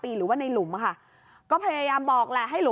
พอหลังจากเกิดเหตุแล้วเจ้าหน้าที่ต้องไปพยายามเกลี้ยกล่อม